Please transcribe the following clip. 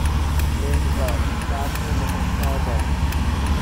مهرداد، صبر کن باهات کار دارم